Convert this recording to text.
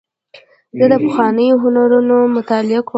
زه د پخوانیو هنرونو مطالعه کوم.